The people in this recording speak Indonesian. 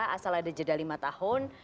asal ada jeda lima tahun